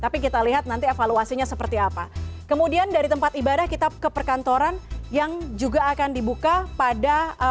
tapi kita lihat nanti evaluasinya seperti apa kemudian dari tempat ibadah kita ke perkantoran yang juga akan di buka cuma untuk pilihan lengthnya